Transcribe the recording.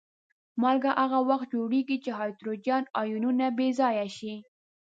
مالګه هغه وخت جوړیږي چې هایدروجن آیونونه بې ځایه شي.